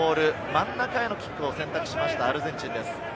真ん中へのキックを選択しました、アルゼンチンです。